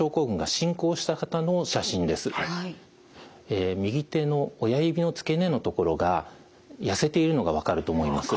え右手の親指の付け根のところが痩せているのが分かると思います。